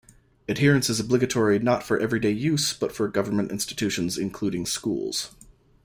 Adherence is obligatory not for everyday use but for government institutions including schools.